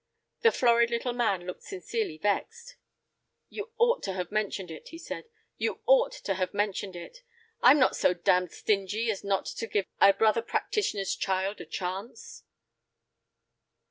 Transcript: The florid little man looked sincerely vexed. "You ought to have mentioned it," he said—"you ought to have mentioned it. I'm not so damned stingy as not to give a brother practitioner's child a chance."